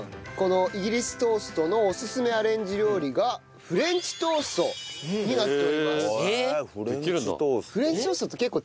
このイギリストーストのおすすめアレンジ料理がフレンチトーストになっております。